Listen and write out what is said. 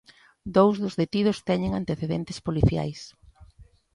Dous dos detidos teñen antecedentes policiais.